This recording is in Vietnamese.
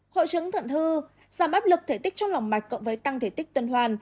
khổ trứng thận hư giảm áp lực thể tích trong lòng mạch cộng với tăng thể tích tuyên hoàn